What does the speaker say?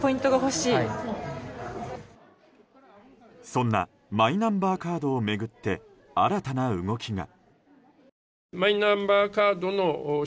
そんなマイナンバーカードを巡って新たな動きが。